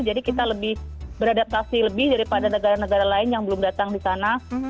jadi kita lebih beradaptasi lebih daripada negara negara lain yang belum datang di sana